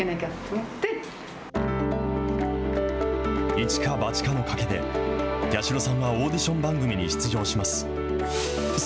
一か八かの賭けで、八代さんはオーディション番組に出場します。